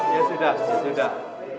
ya sudah ya sudah